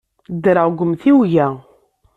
Ddreɣ deg umtiweg-a.